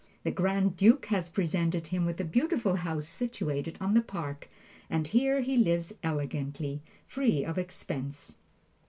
The Grand Duke has presented him with a beautiful house situated on the Park, and here he lives elegantly, free of expense.